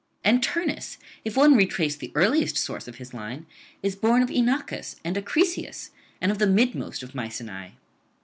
And Turnus, if one retrace the earliest source of his line, is born of Inachus and Acrisius, and of the midmost of Mycenae.'